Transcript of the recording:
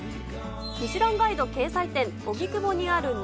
ミシュランガイド掲載店、荻窪にあるね